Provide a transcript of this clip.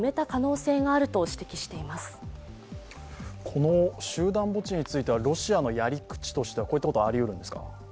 この集団墓地についてはロシアのやり口としてはこういったことはありうるんですか。